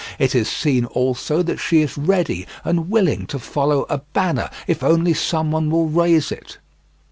It is seen also that she is ready and willing to follow a banner if only someone will raise it.